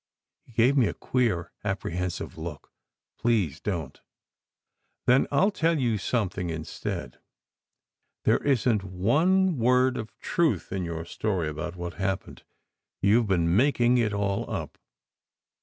He gave me a queer, apprehensive look. " Please don t ! "Then I ll tell you something, instead. There isn t one word of truth in your story about what happened. You ve been making it all up."